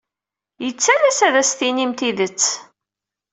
Yettalas ad as-tinim tidet.